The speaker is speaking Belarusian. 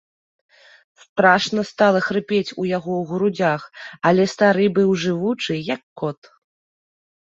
Страшна стала хрыпець у яго ў грудзях, але стары быў жывучы, як кот.